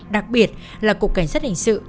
đặc biệt là cục cảnh sát hình sự